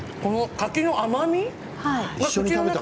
柿の甘み。